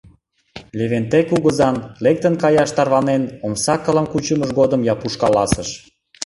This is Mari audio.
Левентей кугызан, лектын каяш тарванен, омса кылым кучымыж годым Япуш каласыш: